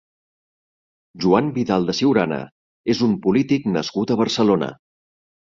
Joan Vidal de Ciurana és un polític nascut a Barcelona.